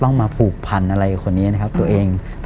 ต้องมาผูกพันอะไรของเนี่ยนะครับตัวเอง